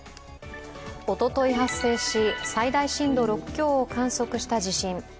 おととい発生し、最大震度６強を観測した地震。